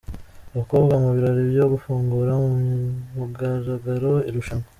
Abakobwa mu birori byo gufungura ku mugaragaro irushanwa .